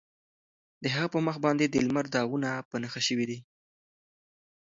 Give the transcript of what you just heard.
د هغه په مخ باندې د لمر داغونه په نښه شوي وو.